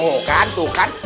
tuh kan tuh kan